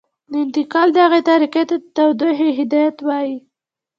د انتقال دغې طریقې ته تودوخې هدایت وايي.